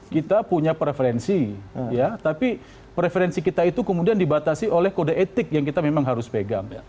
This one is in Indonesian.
kita punya preferensi ya tapi preferensi kita itu kemudian dibatasi oleh kode etik yang kita memang harus pegang